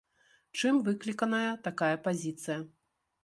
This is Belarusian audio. Чым выкліканая такая пазіцыя?